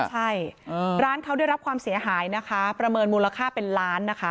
ใช่ร้านเขาได้รับความเสียหายนะคะประเมินมูลค่าเป็นล้านนะคะ